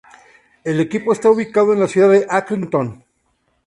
El equipo está ubicado en la ciudad de Accrington.